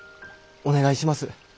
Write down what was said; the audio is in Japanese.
お願いします。